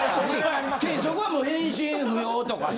Ｋそこはもう返信不要とかさ。